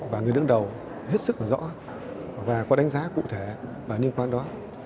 ban đầu hết sức và rõ và có đánh giá cụ thể và liên quan đó